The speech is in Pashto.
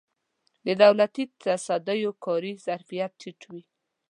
د دولتي تصدیو کاري ظرفیت ټیټ وي.